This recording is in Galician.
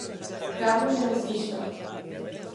Carlos Encisa.